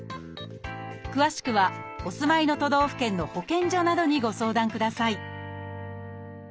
詳しくはお住まいの都道府県の保健所などにご相談ください